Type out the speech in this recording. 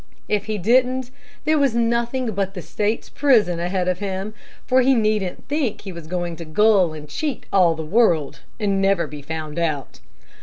If he didn't there was nothing but the State's prison ahead of him, for he needn't think he was going to gull and cheat all the world, and never be found out.